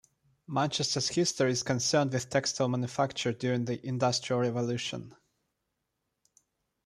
Manchester's history is concerned with textile manufacture during the Industrial Revolution.